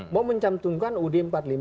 mau mencantumkan ud empat puluh lima